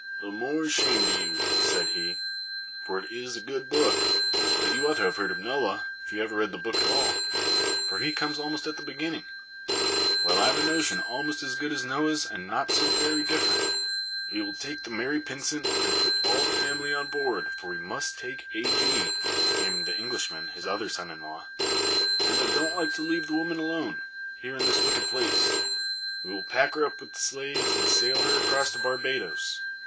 "The more shame to you," said he, "for it is a good book. But you ought to have heard of Noah, if you ever read the Book at all, for he comes almost at the beginning. Well, I've a notion almost as good as Noah's and not so very different. We will take the Mary Pynsent and put all the family on board, for we must take A. G. (naming the Englishman, his other son in law), and I don't like to leave the women alone, here in this wicked place. We will pack her up with slaves and sail her across to Barbadoes.